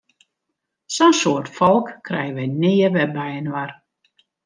Sa'n soad folk krije wy nea wer byinoar!